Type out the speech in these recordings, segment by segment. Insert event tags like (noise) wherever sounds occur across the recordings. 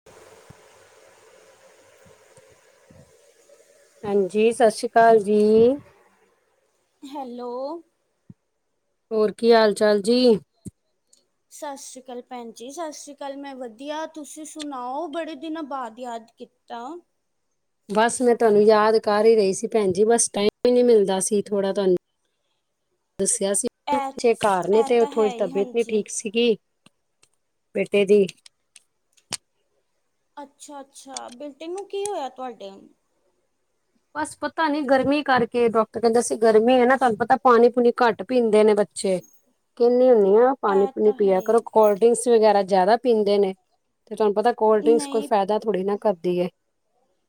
(unintelligible) ਹਾਂਜੀ, ਸਤਿ ਸ਼੍ਰੀ ਅਕਾਲ ਜੀ। ਹੈਲੋ। ਹੋਰ, ਕੀ ਹਾਲ ਚਾਲ ਜੀ? ਸਤਿ ਸ੍ਰੀ ਅਕਾਲ ਭੈਣ ਜੀ, ਸਤਿ ਸ਼੍ਰੀ ਅਕਾਲ, ਮੈਂ ਵਧੀਆ, ਤੁਸੀਂ ਸੁਣਾਓ, ਬੜੇ ਦਿਨਾਂ ਬਾਅਦ ਯਾਦ ਕੀਤਾ? ਤਾਂ। ਬਾਸ ਮੈਂ ਤੁਹਾਨੂੰ ਯਾਦ ਕਰ ਹੀ ਰਹੀ ਸੀ ਭੈਣ ਜੀ ਬਸ ਟਾਈਮ ਹੀ ਨੀ ਮਿਲਦਾ ਸੀ ਥੋੜਾ ਤਾਨੂੰ। ਦੱਸੇਆ ਸੀ ਇਹ ਚੇ ਕਾਰ ਨੇ, ਇਹ ਤੇ ਉਹ ਤਾਂ ਥੋੜੀ ਹੈ ਹੀ ਤਬੀਅਤ ਨਹੀਂ ਹਾਂਜੀ ਠੀਕ ਸੀਗੀ ਬੇਟੇ ਦੀ। ਅੱਛਾ-ਅੱਛਾ ਬੇਟੇ ਨੂੰ ਕੀ ਹੋਏਆ ਤੁਆਡੇ? ਬਸ ਪਤਾ ਨੀ ਗਰਮੀ ਕਰਕੇ ਡੋਕਟਰ ਕੇਂਦਾ ਸੀ ਗਰਮੀ ਏ ਨਾ, ਤੁਹਾਨੂੰ ਪਤਾ ਪਾਣੀ ਪੂਣੀ ਕਾਟ ਪੀਂਦੇ ਨੇ ਬ ਚੇ ਕੇਹਨੀ ਹੁੰਨੀ ਆ ਪਾਣੀ ਪੂਣੀ ਤਾਂ ਹੈ ਪਿਆ ਕਰੋ ਹੀ ਕੋਲ ਡਰਿੰਕਸ ਵਗੈਰਾ ਜ਼ੇਆਦਾ ਪੀਂਦੇ ਨੇ, ਤੇ ਤੁਆਨੂੰ ਪਤਾ ਏ ਕੋਲਡ ਡਰਿੰਕਸ ਕੋਈ ਨਹੀਂ ਫਾਏਦਾ ਥੋੜ੍ਹੀ ਨਾ ਕਰਦੀ ਏ।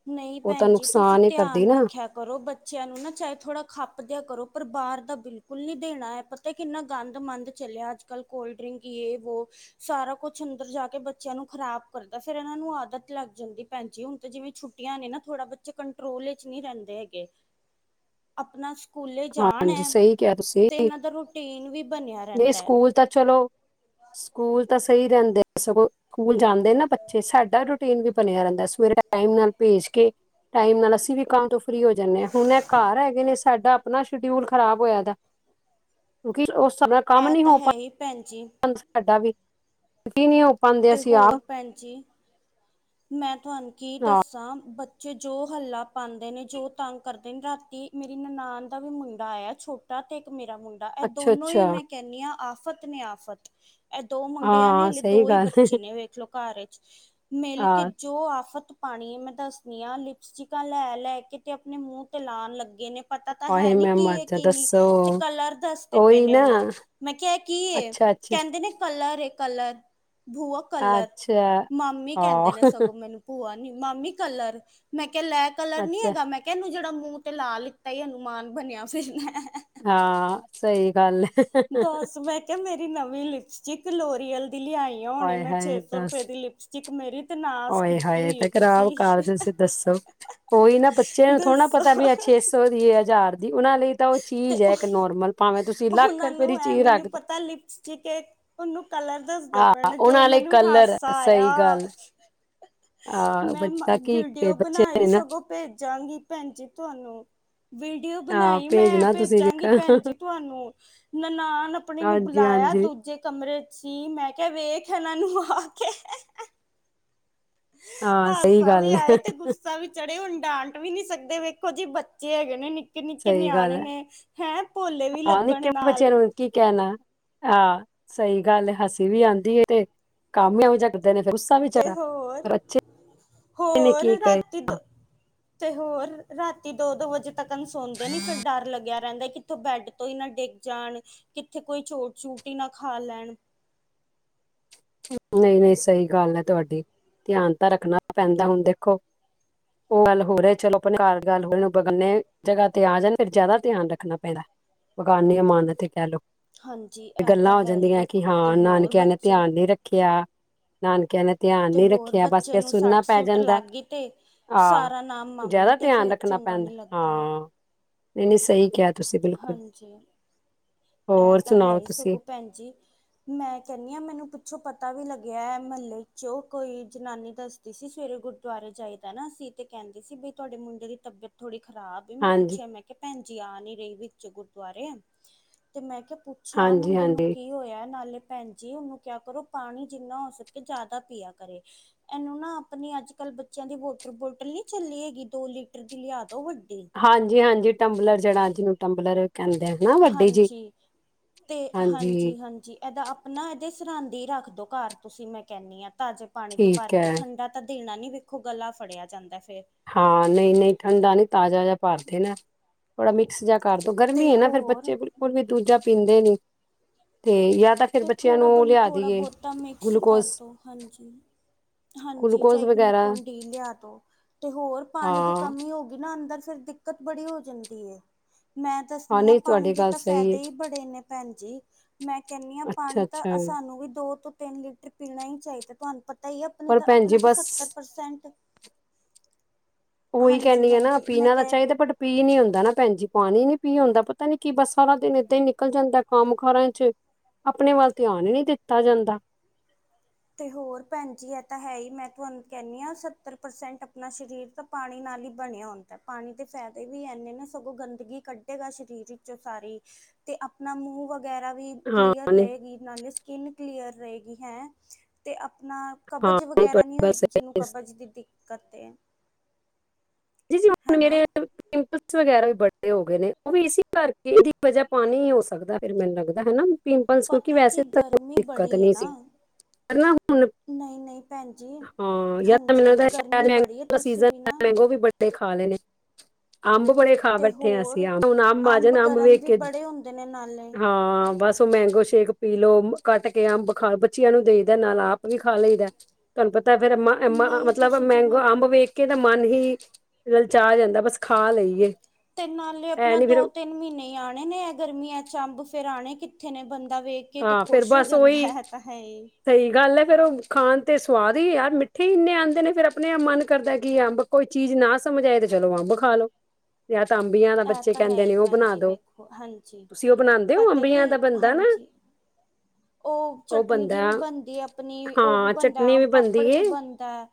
ਨਈ ਭੈਣ ਜੀ ਤੁਸੀਂ ਕਰਦੀ ਧਿਆਨ ਨਾ, ਰੱਖੇਆ ਕਰੋ ਬੱਚੇਆਂ ਨੂੰ ਨਾ ਚਾਹੇ ਥੋੜਾ ਖਾਪ ਦੇਆ ਕਰੋ ਪਰ ਬਾਹਰ ਦਾ ਬਿਲਕੁਲ ਨੀ ਦੇਣਾ ਹੈ ਪ ਤਾ ਕਿੰਨਾ ਗਾਂਦ ਮਾਂਦ ਚੱਲੇਆ ਅੱਜ ਕੱਲ੍ਹ ਕੋਲਡ ਡਰਿੰਕ ਯੇ ਵੋ। ਸਾਰਾ ਕੁਛ ਅੰਦਰ ਜਾ ਕੇ ਬੱਚੇਆਂ ਨੂੰ ਖ਼ਰਾਬ ਕਰਦਾ ਫੇਰ ਏਹਨਾਂ ਨੂੰ ਆਦਤ ਲੱਗ ਜਾਂਦੀ ਭੈਣ ਜੀ ਹੁਣ ਤੇ ਜਿਵੇਂ ਛੁੱ ਛੁਟੀਆਂ ਨੇ ਨਾ ਥੋੜਾ ਬੱਚੇ ਕੰਟਰੋਲ ਇੱਚ ਨਈ ਰੇਂਦੇ ਹੈਗੇ, ਅਪਣਾ ਕੂਲੇ ਜਾਣ ਹਾਂਜੀ ਏਹ ਸਹੀ ਕਿਹਾ ਤੁਸੀਂ। ਤੇ ਏਹਨਾਂ ਦਾ ਰੋਟੀਨ ਵੀ ਬਣੇਆ ਰੇਂਦਾ ਏ। ਹੁਣ ਤਾਂ ਚਲੋ ਸਕੂਲ ਤਾਂ ਸਈ ਰੇਹੰਦੇ ਸਗੋਂ ਕੂਲ ਜਾਂਦੇ ਨਾ ਬੱਚੇ, ਸਾਡਾ ਰੂਟੀਨ ਵੀ ਬਣੇਆ ਰੇਂਦਾ ਏ ਸਵੇਰੇ ਟਾਈਮ ਨਾਲ ਭੇਜ ਕੇ, ਟਾਈਮ ਨਾਲ ਅਸੀਂ ਵੀ ਕੰਮ ਤੋਂ ਫ੍ਰੀ ਹੋ ਜਾਂਣੇ ਆਂ ਹੁਣ ਏਹ ਕਾਰ ਹੈਗੇ ਨੇ ਸਾਡਾ ਅਪਣਾ ਸ਼ਡਿਊਲ ਖਰਾਬ ਹੋਏਆ ਦੈ, ਕਿਉਂਕਿ ਓਸ ਸਾਬ ਦਾ ਕਾਮ ਨੀ ਹੋ ਪਾ ਏਹ ਭੈਣ ਜੀ (unintelligible) ਸਾਡਾ ਵੀ ਤੁਸੀਂ ਨੀ ਉਹ ਤੇ ਹੋਰ ਭੈਣ ਜੀ, ਮੈਂ ਤੁਹਾਨੂੰ ਕੀ ਹਾਂ ਦੱਸਾਂ ਬ ਚੇ ਜੋ ਹੱਲਾ ਪਾਂਦੇ ਨੇ, ਜੋ ਤੰਗ ਕਰਦੇ ਨੇ ਰਾਤੀ ਮੇਰੀ ਨਨਾਨ ਦਾ ਵੀ ਮੁੰਡਾ ਆਏਆ ਛੋ ਟਾ ਤੇ ਇੱਕ ਮੇਰਾ ਮੁੰਡਾ ਏਹ ਅੱਛਾ ਦੋਨੋ ਈ ਅੱਛਾ ਮੈਂ ਕੈਨੀ ਆ ਆਫ਼ਤ ਨੇ ਆਫ਼ਤ। ਏਹ ਦੋ ਮੁੰਡੇਆਂ ਨੇ ਹਾਂ ਅਲੇ ਸਹੀ ਦੋ ਈ ਗੱਲ ਬੱਚੇ ਨੇ ਵੇਖ ਲੋ ਕਾਰ ਇੱਚ, ਮਿਲ ਕੇ ਹਾਂ ਜੋ ਆਫ਼ਤ ਪਾਣੀ ਏ ਮੈਂ ਦੱਸਣੀ ਆ ਲਿਪਸਟਿਕਾਂ ਲੈ-ਲੈ ਕੇ ਤੇ ਅਪਣੇ ਮੂੰਹ ਤੇ ਲਾਣ ਲੱਗੇ ਨੇ। ਪਤਾ ਤਾਂ ਹੈ ਹਾਏ ਨਹੀਂ ਮੈਂ ਕੀ ਮਰ ਏ ਜਾ ਕੀ ਨੀ। ਦੱਸੋ ਤੇ ਕਲਰ ਦੱਸਦੇ ਪਏ ਉਹੀ ਨੇ ਨਾ ਉਹਨੂੰ, ਮੈਂ ਕੇਆ ਏ ਕੀ ਏ? ਅੱਛਾ ਅੱਛਾ ਕੈਂਦੇ ਨੇ ਕਲਰ ਏ ਕਲਰ, ਬੂਆ ਕਲਰ, ਅੱਛਾ ਮਾਮੀ ਕੈਂ ਹਾਂ ਮੈਨੂੰ ਭੂਆ ਨੀ, ਮਾਮੀ ਕਲਰ, ਮੈਂ ਕੇਆ ਲੈ ਕਲਰ ਨੀ ਅੱਛਾ ਹੈਗਾ, ਮੈਂ ਕਿ ਏਹਨੂੰ ਜੇਹੜਾ ਮੂੰਹ ਤੇ ਲਾ ਲਿੱਤਾ ਈ ਅਨੁਮਾਨ ਬਣੇਆ ਫਿਰਨਾ ਏ। ਹਾਂ ਸਈ ਗੱਲ। ਕੇ ਮੇਰੀ ਨਵੀਂ ਲਿਪਚਿਕ ਲੋਰੀਅਲ ਦੀ ਲਿਆਈ ਕਉ ਨੀ ਹਾਏ ਮੈਂ ਛੇ ਹਾਏ ਸੌ ਦੱਸ ਰੁਪਏ ਦੀ ਲਿਪਸਚਿਕ ਮੇਰੀ ਤੇ ਨਾਸ ਓਏ ਕੀਤੀ ਹੋਏ ਹੋਈ ਏ ਤੇ ਤੁਸੀਂ। ਓਹੀ ਨਾ ਬੱਚੇਆਂ ਨੂੰ ਥੋੜ੍ਹੇ ਨਾ ਦੱਸੋ ਪਤਾ ਏ ਬੀ ਏਹ ਛੇ ਸੌ ਦੀ ਏ ਹਜ਼ਾਰ ਦੀ, ਉਹਨਾਂ ਲਈ ਤਾਂ ਉਹ ਤੇ ਚੀਜ਼ ਐ ਇੱਕ ਉਹ- ਨੋਰਮਲ, ਭਾਵੇਂ ਤੁਸੀਂ ਲਾਖ ਰਪਏ ਦੀ ਚੀਜ਼ ਰੱਖ ਦ ਚੀਕੇ ਉਹਨੂੰ ਕਲਰ ਦੱਸਦੇ ਹਾਂ ਪਏ ਨੇ, ਜੋ ਉਹਨਾਂ ਲਈ ਮੈਨੂੰ ਕਲਰ ਹੈ, ਹਾਸਾ ਸਹੀ ਆਏਆ। ਗੱਲ ਆਹ ਮੈਂ ਮ ਬੱਚਾ ਕੀ ਵੀਡੀਓ ਬੱਚੇ ਨੇ ਬਣਾਈ ਨਾ ਸਗੋਂ ਭੇਜਾਂਗੀ ਭੈਣ ਜੀ ਤੁਹਾਨੂੰ, ਵੀਡੀਓ ਬਣਾਏ ਹਾਂ ਮੈਂ ਭੇਜਣਾ ਤੁਸੀਂ ਵੇਖ ਭੇਜਾਂਗੀ ਭੈਣ ਜੀ ਤੁਹਾਨੂੰ, ਨਨਾਨ ਆਪਣੀ ਨੂੰ ਹਾਂਜੀ ਬੁਲਾਏਆ ਹਾਂਜੀ ਦੂ ਜੇ ਕਮਰੇ ਚ ਸੀ, ਮੈਂ ਕੇਆ ਵੇਖ ਏਹਨਾਂ ਨੂੰ ਆ ਕੇ। ਹਾਂ ਸਹੀ ਹਾਸਾ ਵੀ ਗੱਲ ਆਏ, ਹੈ ਤੇ ਗੁ ਸਾ ਵੀ ਚੜੇ, ਹੁਣ ਡਾਂਟ ਵੀ ਨੀ ਸਕਦੇ ਵੇਖੋ ਜੀ ਬੱਚੇ ਹੈਗੇ ਨੇ ਨਿੱ ਕੇ ਨਿੱਕੇ ਸਹੀ ਗੱਲ ਨਿਆਣੇ ਹੈ ਨੇ, ਹੈਂ ਭੋਲੇ ਵੀ ਆਹ ਨਿੱਕੇ ਲੱਗਣ ਬੱਚਿਆਂ ਨਾਲ। ਨੂੰ ਕੀ ਕੇਹਣਾ, ਆ ਸਈ ਗੱਲ ਐ, ਹਸੀ ਵੀ ਆਂਦੀ ਏ ਤੇ ਕੰਮ ਹੀ ਏਹੋ ਜੇਆ ਤੇ ਹੋਰ, ਨੇ ਹੋਰ ਕੀ ਕਹੇ ਰਾਤੀ ਦ ਤੇ ਹੋਰ, ਰਾਤੀ ਦੋ-ਦੋ ਵਜੇ ਤੱਕ ਸੌਦੇ ਨੀ, ਫੇਰ ਡਰ ਲੱਗੇਆ ਰੈਹਦਾ, ਕਿੱਥੋਂ ਬੈੱਡ ਤੋਂ ਹੀ ਨਾ ਡਿੱਗ ਜਾਣ, ਕਿੱਥੇ ਕੋਈ ਚੋਟ-ਚੂਟ ਹੀ ਨਾ ਖਾ ਲੈਣ। ਨਹੀਂ-ਨਹੀਂ ਸਹੀ ਗੱਲ ਐ ਤੁਹਾਡੀ, ਧਿਆਨ ਤਾਂ ਰੱਖਣਾ ਪੈਂਦਾ ਹੁਣ ਦੇਖੋ ਓ ਗੱਲ ਹੋਰ ਐ, ਚਲੋ ਘਰ ਗੱਲ ਹੋਰ ਬੇਗਾਨੇ ਜਗ੍ਹਾ ਤੇ ਆ ਜਾਣ, ਫੇਰ ਜ਼ਿਆਦਾ ਧਿਆਨ ਰੱਖਣਾ ਪੈਂਦਾ। ਬੇਗਾਨੀ ਅਮਾਨਤ ਐ, ਕੈਹ ਲੋ। ਹਾਂਜੀ ਤੇ ਇਹ ਗੱਲਾਂ ਤਾਂ ਹੋ ਹੈ ਹੀ ਜਾਂਦੀਆਂ, ਕਿ ਵੇਖੋ ਤੇ ਹਾਂ ਹੋਰ ਨਾਨਕਿਆਂ ਨੇ ਬੱਚੇ ਧਿਆਨ ਨੀ ਰੱਖੇਆਂ। ਨਾਨਕਿਆਂ ਨੇ ਧਿਆਨ ਤੇ ਨੀ ਹੋਰ ਰੱਖਿਆਂ, ਬਸ ਬੱਚੇ ਫੇਰ ਨੂੰ ਸੁਣਨਾ ਸੱਟ ਪੈ ਸੁੱਟ ਜਾਂਦਾ ਐ। ਲੱਗ ਗਈ ਤੇ ਆਹ, ਸਾਰਾ ਨਾਮ ਓ ਮਾਮੀ ਜ਼ਿਆਦਾ ਤੇ ਧਿਆਨ ਫੇਰ ਰੱਖਣਾ ਚੰਗਾ ਪੈਂਦਾ, ਨਹੀਂ ਲੱਗਦਾ ਹਾਂ ਨਈ-ਨਈ ਸਹੀ ਕਿਹਾ। ਤੁਸੀਂ ਬਿਲਕੁਲ ਹਾਂਜੀ, ਆਹ ਹੋਰ ਤਾਂ ਹੈ, ਸੁਣਾਓ ਹੀ ਤੁਸੀਂ ਸਗੋਂ ਭੈਣਜੀ ਮੈਂ ਕੈਨੀ ਆ, ਮੈਨੂੰ ਪਿਛੋਂ ਪਤਾ ਵੀ ਲੱਗੇਆ ਐ, ਮਹੱਲੇ ਚੋਂ ਕੋਈ ਜਨਾਨੀ ਦੱਸ ਦੀ ਸੀ, ਸਵੇਰੇ ਗੁਰਦੁਆਰੇ ਜਾਈਦਾ ਨਾ ਅਸੀ, ਤੇ ਕੈਹਦੀ ਸੀ, ਬਈ ਤੁਹਾਡੇ ਮੁੰਡੇ ਦੀ ਤਬੀਅਤ ਥੋੜ੍ਹੀ ਖਰਾਬਂ ਵੀ ਮੈਂ ਹਾਂਜੀ ਪੁੱਛਿਆ, ਮੈਂ ਕਿਹਾ ਭੈਣ ਜੀ ਆ ਨੀ ਰਹੀ, ਵਿਚ ਗੁਰਦੁਆਰੇ ਤੇ ਮੈਂ ਕਿਹਾ ਪੁੱਛਾਂ, ਹਾਂਜੀ ਮੁੰਡੇ ਨੂੰ ਹਾਂਜੀ ਕੀ ਹੋਐ ਨਾਲੇ ਭੈਣ ਜੀ, ਓਹਨੂੰ ਕਿਆ ਕਰੋ, ਪਾਣੀ ਜਿੰਨਾ ਹੋ ਸਕੇ ਜ਼ਿਆਦਾ ਪੀਆ ਕਰੇ। ਏਨੂੰ ਨਾ, ਆਪਣੀ ਅੱਜਕੱਲ੍ਹ ਬੱਚੇਆਂ ਦੀ ਵੋਟਰ ਬੋਟਲ ਨੀ ਚੱਲੀ ਹੈਗੀ, ਦੋ ਲੀਟਰ ਦੀ ਲਿਆਦੋ ਵੱਡੀ। ਹਾਂਜੀ-ਹਾਂਜੀ, ਟੰਬਲਰ ਜੇੜਾ, ਜੀਹਨੂੰ ਟੰਬਲਰ ਕਹਿੰਦੇ ਆ। ਨਾ ਵੱਡੀ ਜੀ ਹਾਂਜੀ ਤੇ ਹਾਂਜੀ ਹਾਂਜੀ-ਹਾਂਜੀ। ਏਦਾ ਆਪਣਾ ਏਹਦੇ ਸਰਾਂਦੇ ਈ ਰੱਖ ਦੋ, ਘਰ ਤੁਸੀਂ ਮੈਂ ਕੈਂਨੀ ਆ, ਤਾਜਾ ਪਾਣੀ ਦੀ ਭਰ ਠੀਕ ਕੇ, ਹੈ ਠੰਡਾ ਤਾਂ ਦੇਣਾ ਨੀ, ਵੇਖੋ ਗਲਾ ਫੜਿਆ ਜਾਂਦਾ ਫੇਰ। ਹਾਂ, ਨਈ-ਨਈ ਠੰਡਾ ਨੀ, ਤਾਜ਼ਾ ਜਹਾ ਭਰ ਦੇਣਾ। ਥੋੜਾ ਮਿਕਸ ਜਾ ਕਰ ਦੋ, ਗਰਮੀ ਤੇ ਐ ਨਾ ਫ਼ਿਰ ਹੋਰ ਬੱਚੇ ਬਿ ਕੂਲ ਵੀ ਦੂਜਾ ਪੀਂਦੇ ਨੀ, ਤੇ ਜਾਂ ਤਾਂ ਫਿਰ ਤੇ ਬੱਚਿਆਂ ਨੂੰ ਥੋੜ੍ਹਾ ਬ ਉਹ ਲਿਆ ਥੋੜ੍ਹਾ ਦੇਈਏ ਬੋਤ ਤਾਂ ਮਿਕਸ ਗਲੂਕੋਜ ਕਰ ਦੋ ਹਾਂਜੀ। ਹਾਂਜੀ, ਗਲੂਕੋਜ ਚਾਹੇ ਵਗੈਰਾ ਗਲੂਕੋਨ ਡੀ ਲਿਆਦੋ। ਤੇ ਹੋਰ ਪਾਣੀ ਦੀ ਹਾਂ ਕਮੀ ਹੋ ਗਈ ਨਾ, ਅੰਦਰ ਫੇਰ ਦਿੱਕਤ ਬੜੀ ਹੋ ਜਾਂਦੀ ਐ। ਮੈਂ ਹਾਂ ਦੱਸਦੀ ਆ, ਨਹੀਂ ਪਾਣੀ ਤੁਹਾਡੀ ਦੇ ਗੱਲ ਤਾਂ ਸਹੀ ਫੈਦੇ ਹੈ ਹੀ ਬੜੇ ਨੇ ਭੈਣ ਜੀ, ਮੈ ਆ ਅੱਛਾ ਪਾਣੀ ਅੱਛਾ ਤਾਂ ਸਾਨੂੰ ਵੀ ਦੋ ਤੋਂ ਤਿੰਨ ਲੀਟਰ ਪੀਣਾ ਹੀ ਚਾਹੀਦਾ ਆ, ਤੁਹਾਨੂੰ ਪਤਾ ਹੀ ਆ, ਆਪਣੀ ਪਰ ਤਾਂ ਭੈਣ ਜੀ ਆਪਣਾ ਤਾਂ ਬਸ ਸੱਤਰ ਪਰਸੈਂਟ ਓਹੀ ਹਾਂਜੀ ਕੈਹਦੀ ਆ ਨਾ, ਆ ਹਾਂਜੀ ਮੈਂ ਪੀਣਾ ਤਾਂ ਕਹਿ ਰਹੀ ਚਾਹੀਦਾ, ਬਟ ਪੀ ਨੀ ਹੁੰਦਾ ਨਾ ਭੈਣ ਜੀ, ਪਾਣੀ ਨੀ ਪੀ ਹੁੰਦਾ ਆ, ਪਤਾ ਨੀ ਕੀ ਬੱਸ ਸਾਰਾ ਦਿਨ ਏਦਾਂ ਹੀ ਨਿਕਲ ਜਾਂਦਾ ਕੰਮ ਕਾਰਾਂ ਚ। ਆਪਣੇ ਵੱਲ ਧਿਆਨ ਨੀ ਦਿੱਤਾ ਜਾਂਦਾ। ਤੇ ਹੋਰ ਭੈਣ ਜੀ ਐਹ ਤਾਂ ਹੈ ਹੀ, ਮੈਂ ਤੁਹਾਨੂੰ ਕੈਹਦੀ ਆ, ਸੱਤਰ ਪਰਸੈਂਟ ਆਪਣਾ ਸਰੀਰ ਤਾਂ ਪਾਣੀ ਨਾਲ ਹੀ ਬਣਿਆ ਹੁੰਦਾ ਆ, ਪਾਣੀ ਦੇ ਫ਼ਾਦੇ ਵੀ ਇੰਨੇ ਨੇ, ਸਗੋਂ ਗੰਦਗੀ ਕੱਢੇਗਾ, ਸਰੀਰ ਵਿੱਚੋਂ ਸਾਰੀ। ਤੇ ਆਪਣਾ ਮੂੰਹ ਵਗੈਰਾ ਵੀਂ ਹਾਂ ਕਲੀਅਰ ਨਹੀਂ ਰਹੇਗੀ, ਨਾਲੇ ਸਕਿਨ ਕਲੀਅਰ ਰਹੇਗੀ ਹੈਂ। ਤੇ ਆਪਣਾ ਹਾਂ ਕਬਜ਼ ਨਹੀਂ ਤੁਹਾਡੀ ਵਗੈਰਾ ਨੀ ਗੱਲ ਹੋਏਗੀ, ਸਹੀ ਜੀਹਨੂੰ ਹੈ। ਕਬਜ਼ ਦੀ ਦਿੱਕਤ ਐ। (inaudible) ਹੈਨਾ ਲਸ ਵਗੈਰਾ ਵੀ ਬੱਡੇ ਹੋ ਗਏ ਨੇ, ਓ ਵੀ ਇਸ ਕਰਕੇ ਓਦੀ ਵਜ੍ਹਾ ਪਾਣੀ ਹੋ ਸਕਦਾ, ਫੇਰ ਮੈਨੂੰ ਲੱਗਦਾ ਹਨਾ। ਸਿੰਪਲ ਸੀ। ਕਿਉਂਕਿ ਪਤਾ ਵੈਸੇ ਕਿ ਤਾਂ ਗਰਮੀ ਕੋਈ ਦਿੱਕਤ ਬੜੀ ਹੈ ਨਹੀਂ ਸੀ, ਨਾ ਪਰ ਨਾ ਹੁਣ ਨਹੀਂ ਨਹੀਂ ਭੈਣ ਜੀ ਹਾਂ ਯ ਤਾਂ ਮੈਨੂੰ ਹਾਂਜੀ ਲੱਗਦਾ, ਸ਼ਾਇਦ ਗਰਮੀ ਮੈਂਗੋ ਬੜੀ ਹੈ ਦਾ ਸੀਜਨ ਤੁਸੀਂ ਵੀ ਏ ਨਾ ਮੈਂਗੋ ਵੀ ਬ ਬੜੇ ਖਾ ਲੈਣੇ ਨੇ, ਅੰਬ ਬੜੇ ਖਾ ਤੇ ਬੈਠੇ ਆ ਹੋਰ ਅਸੀਂ, ਹੁਣ ਅੰਬ ਆ ਜਾਣ ਅੰਬ ਗਰਮ ਵੇਖ ਵੀ ਕੇ ਬੜੇ ਹੁੰਦੇ ਨੇ ਨਾਲੇ ਹਾਂ, ਬਸ ਓ ਮੈਂਗੋ ਸ਼ੇਕ ਪੀ ਲੋ, ਕੱਟ ਕੇ ਅੰਬ ਖਾ ਲੋ, ਬੱਚਿਆਂ ਨੂੰ ਦਈ ਦਾ ਨਾਲ ਆਪ ਵੀ ਖਾ ਲਈਦਾ, ਤੁਹਾਨੂੰ ਪਤਾ ਫੇਰ ਨਹੀਂ ਮਤਲਬ ਤੁਸੀਂ ਮੈਂਗੋ ਜਿਵੇਂ ਅੰਬ ਵੇਖ ਕੇ ਤਾਂ ਮਨ ਹੀ ਲਲਚਾ ਜਾਂਦਾ ਬਸ ਖਾ ਲਈਏ। ਤੇ ਨਾਲੇ ਐ ਆਪਣਾ ਨਹੀਂ ਦੋ ਫਿਰ ਤਿੰਨ ਮਹੀਨੇ ਹੀ ਆਉਣੇ ਨੇ ਗਰਮੀਆਂ 'ਚ ਅੰਬ ਫਿਰ ਆਉਣੇ ਕਿੱਥੇ ਨੇ ਬੰਦਾ ਵੇਖ ਕੇ ਤੇ ਹਾਂ ਫੇਰ ਖੁਸ਼ ਹੋ ਬਸ ਉਹੀ ਜਾਂਦਾ ਹੈ ਇਹ ਤਾਂ ਹੈ ਹੀ ਸਹੀ ਗੱਲ ਹੈ ਫੇਰ ਉਹ ਖਾਣ ਤੇ ਸਵਾਦ ਹੀ ਯਾਰ ਮਿੱਠੇ ਹੀ ਇੰਨੇ ਆਉਂਦੇ ਨੇ ਫਿਰ ਆਪਣੇ ਆਪ ਮਨ ਕਰਦਾ ਕਿ ਅੰਬ ਕੋਈ ਚੀਜ਼ ਨਾ ਸਮਝ ਆਏ ਤੇ ਚਲੋ ਅੰਬ ਖਾ ਲੋ। ਜਾਂ ਤਾਂ ਅੰਬੀਆਂ ਦਾ ਇਹ ਬੱਚੇ ਤਾਂ ਹੈ ਕਹਿੰਦੇ ਹੀ ਨੇ ਉਹ ਭੈਣ ਬਣਾ ਜੀ ਦੋ ਵੇਖੋ ਹਾਂਜੀ ਤੁਸੀਂ ਉਹ ਬਣਾਉਂਦੇ ਹੋ ਪਤਾ ਕੀ ਅੰਬੀਆਂ ਦਾ ਬਣਦਾ ਨਾ। ਓ ਉਹ ਚਟਨੀ ਜਿਹੀ ਬਣਦਾ ਵੀ ਬਣਦੀ ਆਪਣੀ ਉਹਵੀ ਹਾਂ ਬਣਦਾ ਚਟਨੀ ਵੀ ਆਮ ਪਾਪੜ ਬਣਦੀ ਵੀ ਏ ਬਣਦਾ।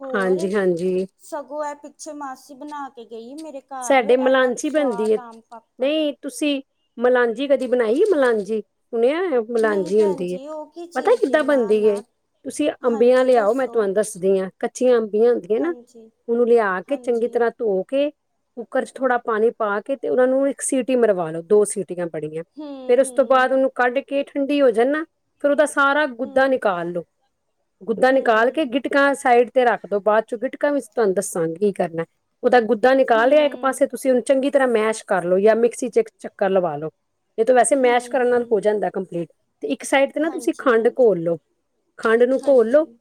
ਹੋਰ ਹਾਂਜੀ ਹਾਂਜੀ ਸਗੋਂ ਏਹ ਪਿੱਛੇ ਮਾਸੀ ਬਣਾ ਕੇ ਗਈ ਮੇਰੇ ਘਰ ਸਾਡੇ ਇਨਾ ਮਲਾਂਚੀ ਬਣਦੀ ਸਵਾਦ ਏ ਆਮ ਪਾਪੜ ਨਹੀਂ ਤੁਸੀਂ ਮਲਾਂਜੀ ਕਦੀ ਬਣਾਈ ਮਲਾਂਜੀ ਸੁਣਿਆ ਹੈ। ਨਹੀਂ ਮਲਾਂਜੀ ਭੈਣ ਹੁੰਦੀ ਏ ਜੀ ਉਹ ਕੀ ਪਤਾ ਚੀਜ਼ ਏ ਕਿੱਦਾਂ ਨਾ ਬਣਦੀ ਏ ਨਾ ਤੁਸੀਂ ਅੰਬੀਆਂ ਹਾਂਜੀ ਲਿਆਓ ਮੈਂ ਦੱਸੋ ਤੁਹਾਨੂੰ ਦੱਸ ਦੀਆਂ ਕੱਚੀਆਂ ਅੰਬੀਆਂ ਹੁੰਦੀਆਂ ਨਾ ਹਾਂਜੀ ਉਹਨੂੰ ਲਿਆ ਕੇ ਚੰਗੀ ਹਾਂਜੀ ਤਰ੍ਹਾਂ ਧੋ ਕੇ ਕੁੱਕਰ 'ਚ ਥੋੜਾ ਪਾਣੀ ਪਾ ਕੇ ਤੇ ਉਹਨਾਂ ਨੂੰ ਇੱਕ ਸੀਟੀ ਮਰਵਾ ਲੋ ਦੋ ਸੀਟੀ ਬੜੀਆਂ ਪੜੀਆਂ ਫੇਰ ਹੂੰ ਉਸ ਤੋਂ ਹੂੰ ਬਾਅਦ ਉਹਨੂੰ ਕੱਢ ਕੇ ਠੰਡੀ ਹੋ ਜਾਣ ਨਾ ਫਿਰ ਉਹਦਾ ਸਾਰਾ ਗੁੱਦਾ ਹੂੰ ਨਿਕਾਲ ਲਓ। ਗੁੱਦਾ ਨਿਕਾਲ ਕੇ ਹੂੰ ਗਿੱਟਕਾਂ ਸਾਈਡ ਤੇ ਰੱਖ ਦੋ ਬਾਅਦ 'ਚੋਂ ਗਿੱਟਕਾ ਵੀ ਤੁਹਾਨੂੰ ਦੱਸਾਂਗੀ ਕੀ ਕਰਨਾ ਉਹਦਾ ਗੁੱਦਾ ਨਿਕਾਲ ਲਿਆ ਇੱਕ ਪਾਸੇ ਹੂੰ ਤੁਸੀਂ ਉਹਨੂੰ ਚੰਗੀ ਤਰ੍ਹਾਂ ਮੈਸ਼ ਕਰਲੋ ਜਾਂ ਮਿਕਸੀ 'ਚ ਇੱਕ ਚੱਕਰ ਲਵਾ ਲੋ। ਨਹੀਂ ਤੇ ਵੈਸੇ ਮੈਸ਼ ਹੂੰ ਕਰਨ ਨਾਲ ਹੋ ਹੂੰ ਜਾਂਦਾ ਕੰਪਲੀਟ ਤੇ ਇੱਕ ਸਾਈਡ ਤੇ ਨਾ ਤੁਸੀਂ ਹਾਂਜੀ ਖੰਡ ਹਾਂਜੀ ਘੋਲ ਲਓ। ਖੰਡ ਨੂੰ ਘੋਲ ਲਓ। ਹਾਂਜੀ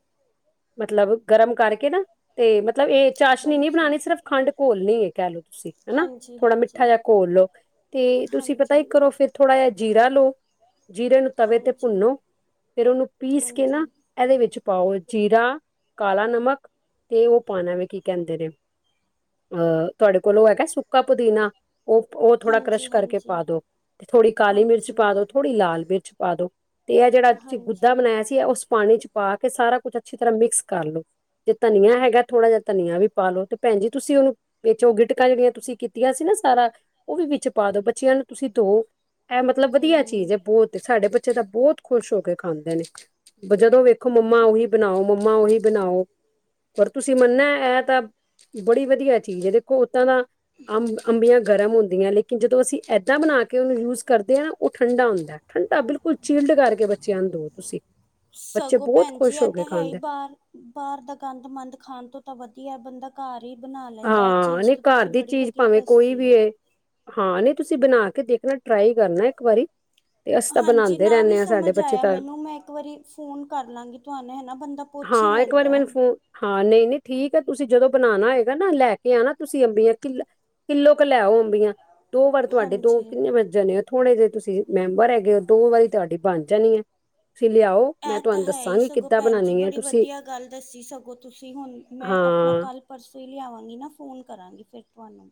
ਮਤਲਬ ਗਰਮ ਕਰਕੇ ਨਾ ਤੇ ਮਤਲਬ ਇਹ ਚਾਸ਼ਨੀ ਨੀ ਹਾਂਜੀ ਬਣਾਉਣੀ ਸਿਰਫ ਖੰਡ ਘੋਲਣੀ ਏ ਕਹਿ ਲੋ ਤੁਸੀਂ ਹਨਾ ਹਾਂਜੀ ਥੋੜਾ ਮਿੱਠਾ ਹਾਂਜੀ ਜਿਹਾ ਘੋਲ ਲਓ ਤੇ ਤੁਸੀਂ ਪਤਾ ਹੀ ਹਾਂਜੀ ਕਰੋ ਫੇਰ ਥੋੜ੍ਹਾ ਜਿਹਾ ਜੀਰਾ ਲਓ ਜੀਰੇ ਨੂੰ ਤਵੇ ਤੇ ਹਾਂਜੀ ਭੁੰਨੋ ਫੇਰ ਉਹਨੂੰ ਪੀਸ ਕੇ ਨਾ ਹਾਂਜੀ ਇਹਦੇ ਵਿੱਚ ਪਾਓ ਜੀਰਾ, ਕਾਲਾ ਨਮਕ ਤੇ ਉਹ ਪਾਣਾ ਵੀ ਕੀ ਕਹਿੰਦੇ ਨੇ ਅਹ ਤੁਹਾਡੇ ਕੋਲ ਉਹ ਹੈਗਾ ਸੁੱਕਾ ਪੁਦੀਨਾ ਉਹ ਉਹ ਥੋੜਾ ਕਰਸ਼ ਹਾਂਜੀ ਕਰਕੇ ਹਾਂਜੀ ਪਾ ਦੋ ਤੇ ਥੋੜੀ ਕਾਲੀ ਮਿਰਚ ਹਾਂਜੀ ਪਾ ਦੋ ਥੋੜੀ ਲਾਲ ਮਿਰਚ ਪਾ ਦੋ ਤੇ ਇਹ ਜਿਹੜਾ ਤੁਸੀਂ ਗੁੱਦਾ ਹਾਂਜੀ ਬਣਾਇਆ ਸੀ। ਤੇ ਉਸ ਪਾਣੀ 'ਚ ਪਾ ਕੇ ਸਾਰਾ ਕੁੱਛ ਅੱਛੀ ਤਰ੍ਹਾਂ ਮਿਕਸ ਕਰ ਲੋ। ਜੇ ਧਨੀਆ ਹੈਗਾ ਥੋੜਾ ਜਿਹਾ ਧਨੀਆ ਵੀ ਪਾਲੋ ਤੇ ਭੈਣਜੀ ਤੁਸੀਂ ਉਹਨੂੰ ਵਿੱਚ ਉਹ ਗਿਟਕਾਂ ਜਿਹੜੀਆਂ ਤੁਸੀਂ ਕੀਤੀਆਂ ਸੀ ਨਾ ਸਾਰਾ ਉਹ ਵੀ ਵਿੱਚ ਪਾ ਦੋ ਬੱਚਿਆਂ ਨੂੰ ਤੁਸੀਂ ਦੋ ਏਹ ਮਤਲਬ ਵਧੀਆ ਚੀਜ਼ ਹੂੰ ਹੈ ਬਹੁਤ ਸਾਡੇ ਬੱਚੇ ਤਾਂ ਬਹੁਤ ਖੁਸ਼ ਹੋ ਕੇ ਖਾਂਦੇ ਨੇ ਜਦੋਂ ਵੇਖੋ ਮੰਮਾ ਉਹੀ ਬਣਾਓ ਮੰਮ ਮੰਮਾ ਉਹੀ ਬਣਾਓ ਪਰ ਤੁਸੀਂ ਮੰਨਾ ਏਹ ਤਾਂ ਬੜੀ ਵਧੀਆ ਦੇਖੋ ਉੱਦਾਂ ਤਾਂ ਅੰਬ ਅੰਬੀਆਂ ਗਰਮ ਹੁੰਦੀਆਂ ਨੇ ਕਿ ਜਦੋਂ ਅਸੀਂ ਐਦਾਂ ਬਣਾ ਕੇ ਉਹਨੂੰ ਯੂਜ਼ ਕਰਦੇ ਹਾਂ ਨਾ ਉਹ ਠੰਡਾ ਹੁੰਦਾ। ਠੰਡਾ ਬਿਲਕੁਲ ਚੀਲਡ ਕਰਕੇ ਬੱਚਿਆਂ ਨੂੰ ਦਿਓ ਤੁਸੀਂ ਬੱਚੇ ਸਗੋਂ ਬਹੁਤ ਭੈਣ ਜੀ ਖੁਸ਼ ਇਹ ਹੋ ਤੇ ਕੇ ਹੈ ਹੀ ਖਾਂਦੇ ਬਾਹਰ ਬਾਹਰ ਦਾ ਗੰਦ ਮੰੰਦ ਖਾਣ ਤੋਂ ਤਾਂ ਵਧੀਆ ਬੰਦਾ ਘਰ ਹੀ ਬਣਾ ਲੈਂਦਾ ਏਹ ਹਾਂ ਚੀਜ਼ ਨਹੀਂ ਤਾਂ ਘਰ ਤੁਸੀਂ ਦੀ ਬੜੀ ਚੀਜ਼ ਵਧੀਆ ਭਾਵੇਂ ਕੋਈ ਦੱਸੀ ਹੈ। ਵੀ ਹਾਂ ਨਹੀਂ ਤੁਸੀਂ ਬਣਾ ਕੇ ਦੇਖਣਾ ਟਰਾਈ ਕਰਨਾ ਇੱਕ ਵਾਰੀ ਤੇ ਅਸੀਂ ਤਾਂ ਹਾਂਜੀ ਬਣਾਉਂਦੇ ਨਾ ਵੀ ਰਹਿੰਦੇ ਹਾਂ ਸਾਡੇ ਸਮਝ ਬੱਚੇ ਆਇਆ ਤਾਂ ਮੈਨੂੰ ਮੈਂ ਇੱਕ ਵਾਰੀ ਫੋਨ ਕਰ ਲਾਂਗੀ ਤੁਹਾਨੂੰ ਹੈਨਾ ਬੰਦਾ ਪੁਛ ਹਾਂ ਇੱਕ ਵਾਰੀ ਮੈਨੂੰ ਫੋਨ ਹਾਂ ਨਹੀਂ ਨਹੀਂ ਠੀਕ ਹੈ ਤੁਸੀਂ ਜਦੋਂ ਬਣਾਉਣਾ ਹੋਏ। ਹੈਨਾ ਲੈ ਕੇ ਆਣਾ ਤੁਸੀਂ ਅੰਬੀਆਂ ਕਿ ਕਿੱਲੋ ਕੁ ਲੈ ਆਓ। ਅੰਬੀਆਂ ਦੋ ਵਾਰ ਤੁਹਾਡੇ ਦੋ ਹਾਂਜੀ ਕਿੰਨੇ ਬਚ ਜਾਣੇ ਥੋਣੇੇ ਜੇਹੇ ਤੁਸੀਂ ਮੈਂਬਰ ਹੈਗੇ ਹੋ ਦੋ ਵਾਰੀ ਤੁਹਾਡੀ ਬਣ ਜਾਣੀ ਏ ਤੁਸੀਂ ਲਿਆਓ। ਮੈਂ ਇਹ ਤੇ ਤੁਹਾਨੂੰ ਹੈ ਹੀ ਦੱਸਾਂਗੀ ਸਗੋਂ ਕਿੱਦਾਂ ਭੈਣ ਜੀ ਬਣਾਉਣੀ ਹੈ ਬੜੀ ਤੁਸੀਂ ਵਧੀਆ ਗੱਲ ਦੱਸੀ ਸਗੋਂ ਤੁਸੀਂ ਹੁਣ ਮੈਂ ਆਪਣਾ ਹਾਂ ਕੱਲ ਪਰਸੋਂ ਹੀ ਲਿਆਵਾਂਗੀ ਨਾ ਫ਼ੋਨ ਕਰਾਂਗੀ ਫੇਰ ਤੁਹਾਨੂੰ।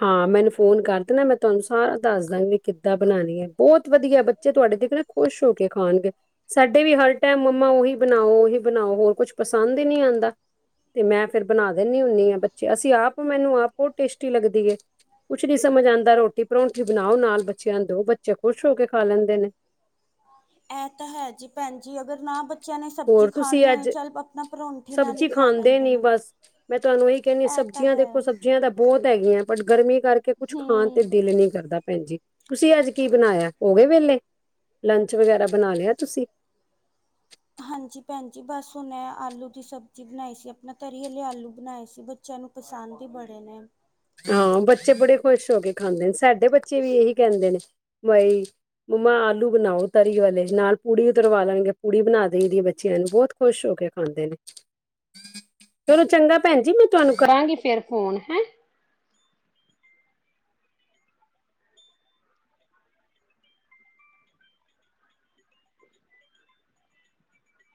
ਹਾਂ ਮੈਨੂੰ ਫੋਨ ਕਰ ਦੇਨਾ ਮੈਂ ਤੁਹਾਨੂੰ ਸਾ ਦੱਸ ਦਾਂਗੀ ਕਿੱਦਾ ਬਣਾਣੀ ਏ। ਬੌਤ ਵਧੀਆ ਬੱਚੇ ਤੁਹਾਡੇ ਦੇਖ ਨਾ ਖੁਸ਼ ਹੋ ਕੇ ਖਾਣਗੇ। ਸਾਡੇ ਵੀ ਹਰ ਟਾਈਮ ਮੰਮਾ ਉਹੀ ਬਣਾਓ ਓਹੀ ਬਣਾਓ ਹੋਰ ਕੁਛ ਪਸੰਦ ਹੀ ਨੀ ਆਉਂਦਾ। ਤੇ ਮੈਂ ਫਿਰ ਬਣਾ ਦਿੰਦੀ ਹੁੰਦੀ ਹਾਂ ਬੱਚੇ ਅਸੀਂ ਆਪ ਮੈਨੂੰ ਆਪ ਬਹੁਤ ਟੇਸਟੀ ਲੱਗਦੀ ਏ। ਕੁਛ ਨੀ ਸਮਝ ਆਦਾ ਰੋਟੀ ਪਰੋਂਂਠੀ ਬਣਾਓ ਨਾਲ ਬੱਚਿਆਂ ਨੂੰ ਦੋ ਬੱਚੇ ਖੁਸ਼ ਹੋ ਕੇ ਖਾ ਲੈਂਦੇ ਨੇ। ਇਹ ਤਾਂ ਹੈ ਜੀ ਭੈਣ ਜੀ ਅਗਰ ਨਾ ਬੱਚਿਆਂ ਨੇ ਸਬਜ਼ੀ ਹੋਰ ਤੁਸੀਂ ਖਾਣੀ ਹੋਈ ਅੱਜ ਚੱਲ ਆਪਣਾ ਪਰੋਂਠੀ ਨਾਲ ਹੀ ਸਬਜ਼ੀ ਖਾ ਖਾਂਦੇ ਲੈਂਦੇ ਨੀ ਨੇ। ਬਸ ਮੈਂ ਤੁਹਾਨੂੰ ਇਹੀ ਕਹਿੰਦੀ ਇਹ ਤਾਂ ਸਬਜ਼ੀਆਂ ਦੇਖੋ ਹੈ। ਸਬਜ਼ੀਆਂ ਤਾਂ ਬਹੁਤ ਹੈਗੀਆਂ ਪਰ ਗਰਮੀ ਕਰ ਕੇ ਕੁੱਛ ਖਾਣ ਤੇ ਹੂੰ ਦਿਲ ਨੀ ਕਰਦਾ। ਭੈਣ ਜੀ ਤੁਸੀਂ ਅੱਜ ਕੀ ਬਣਾਇਆ ਹੋ ਗੇਏ ਵੇਲੇ ਲੰਚ ਵਗੈਰਾ ਬਣਾ ਲਿਆ ਤੁਸੀਂ। ਹਾਂਜੀ ਭੈਣ ਜੀ ਬਸ ਹੁਣ ਏ ਆਲੂ ਦੀ ਸਬਜ਼ੀ ਬਣਾਈ ਸੀ ਆਪਣਾ ਤਰੀ ਵਾਲੇ ਆਲੂ ਬਣਾਏ ਸੀ ਬ ਚਿਆਂ ਨੂੰ ਪਸੰਦ ਹੀ ਬੜੇ ਨੇ। ਹਾਂ ਬੱਚੇ ਬੜੇ ਖੁਸ਼ ਹੋ ਕੇ ਖਾਂਦੇ ਨੇ ਸਾਡੇ ਬੱਚੇ ਵੀ ਇਹੀ ਕਹਿੰਦੇ ਨੇ ਬਈ ਮੰਮਾ ਆਲੂ ਬਣਾਓ ਤਰੀ ਵਾਲੇ ਨਾਲ ਪੂੜੀਆ ਤਲਵਾ ਲੈਣਗੇ ਪੂੜੀ ਬਣਾ ਦਈ ਦੀ ਏ ਬੱਚਿਆਂ ਨੂੰ ਬਹੁਤ ਖੁਸ਼ ਹੋ ਕੇ ਖਾਂਦੇ ਨੇ। ਚਲੋ ਚੰਗਾ ਭੈਣ ਜੀ ਮੈਂ ਤੁਹਾਨੂੰ ਕਰਾਂਗੀ ਫੇਰ ਫੋਨ ਹੈ।